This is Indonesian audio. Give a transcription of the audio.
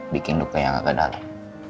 bikin luka yang gak ke dalam